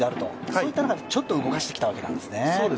そういった中で、ちょっと動かしてきたわけですね。